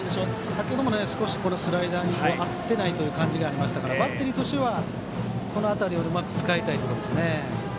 先程も少しスライダーに合ってない感じがありましたからバッテリーとしてはこの辺りをうまく使いたいですね。